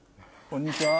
こんにちは。